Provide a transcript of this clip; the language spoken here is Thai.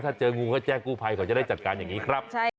ถ้าเจองูก็แจ้งกู้ภัยเขาจะได้จัดการอย่างนี้ครับ